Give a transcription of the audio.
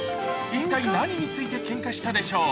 一体何についてけんかしたでしょう。